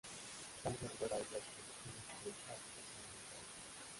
Hank le recuerda a ella que tiene que ir a sus sesiones de terapia.